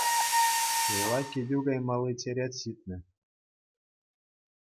Ҫулла кӗтӳ каймалли черет ҫитнӗ.